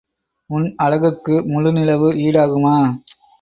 உன் அழகுக்கு முழு நிலவு ஈடாகுமா?